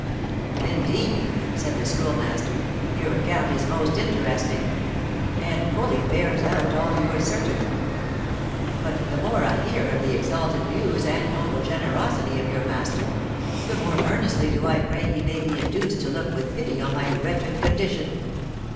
"Indeed," said the Schoolmaster, "your account is most interesting, and fully bears out all you asserted. But, the more I hear of the exalted views and noble generosity of your master, the more earnestly do I pray he may be induced to look with pity on my wretched condition.